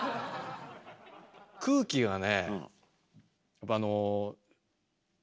空気がね